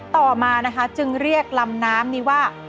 ต่อมานะคะจึงเรียกลำน้ำนี้ว่า